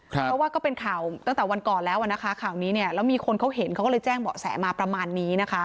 เพราะว่าก็เป็นข่าวตั้งแต่วันก่อนแล้วนะคะข่าวนี้เนี่ยแล้วมีคนเขาเห็นเขาก็เลยแจ้งเบาะแสมาประมาณนี้นะคะ